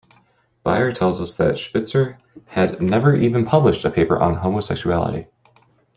Bayer tells us that Spitzer had never even published a paper on homosexuality.